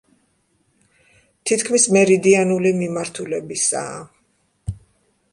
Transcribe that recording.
თითქმის მერიდიანული მიმართულებისაა.